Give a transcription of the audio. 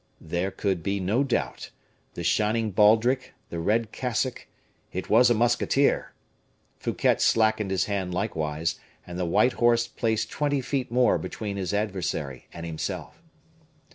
There could be no doubt the shining baldrick, the red cassock it was a musketeer. Fouquet slackened his hand likewise, and the white horse placed twenty feet more between his adversary and himself.